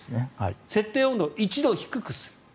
設定温度を１度低くする。